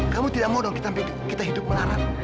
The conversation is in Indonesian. kamu tidak mau dong kita hidup melarang